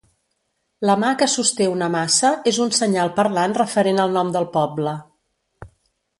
La mà que sosté una maça és un senyal parlant referent al nom del poble.